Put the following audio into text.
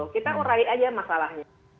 kita urai saja masalahnya